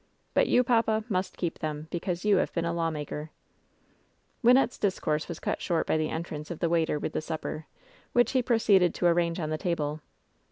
But you, papa, must keep them, because you have been a lawmaker." Wynnette^s discourse was cut short by the entrance of the waiter with the supper, which he proceeded to ar range on the table.